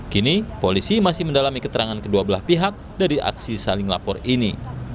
kini polisi masih mendalami keterangan kedua belah pihak dari aksi saling lapor ini